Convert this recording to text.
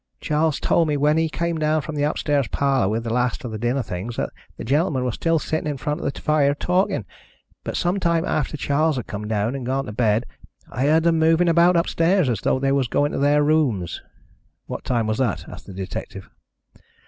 Charles told me when he came down from the upstairs parlour with the last of the dinner things that the gentlemen were still sitting in front of the fire talking, but some time after Charles had come down and gone to bed I heard them moving about upstairs, as though they were going to their rooms." "What time was that?" asked the detective.